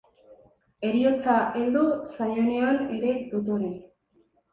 Heriotza heldu zaionean ere dotore.